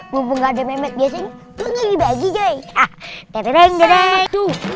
mumpung gak ada memet biasanya gue lagi lagi